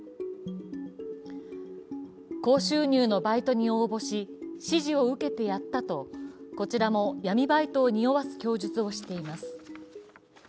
高収入のバイトに応募し指示を受けてやったとこちらも闇バイトをにおわす供述をしています。